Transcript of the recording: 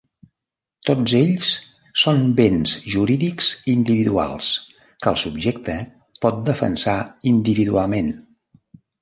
Tots ells són béns jurídics individuals que el subjecte pot defensar individualment.